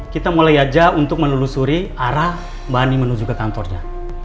kita mulai saja untuk melulusuri arah mbak andin menuju ke kantornya